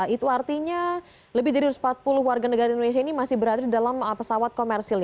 itu artinya lebih dari satu ratus empat puluh warga negara indonesia ini masih berada dalam pesawat komersil